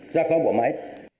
ra khỏi bộ máy